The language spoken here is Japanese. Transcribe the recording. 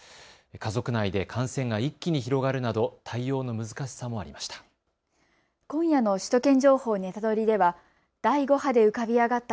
家族内で感染が一気に広がるなど対応の難しさもありました。